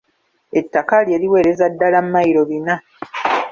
Ettaka lye liwereza ddala mayilo bina.